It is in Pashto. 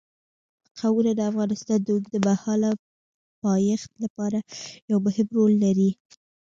قومونه د افغانستان د اوږدمهاله پایښت لپاره یو مهم رول لري.